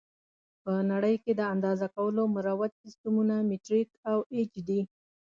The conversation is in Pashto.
په نړۍ کې د اندازه کولو مروج سیسټمونه مټریک او ایچ دي.